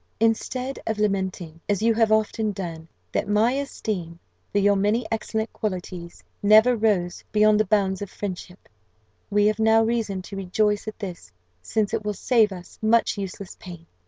"Instead of lamenting, as you have often done, that my esteem for your many excellent qualities never rose beyond the bounds of friendship, we have now reason to rejoice at this, since it will save us much useless pain.